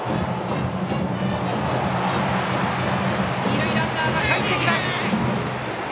二塁ランナーかえってきます！